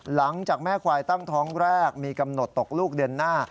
หลังจากแม่ควายตั้งท้องแรกมีกำหนดตกลูกเดือนหน้า